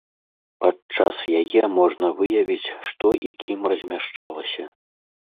Падчас яе можна выявіць, што і кім размяшчалася.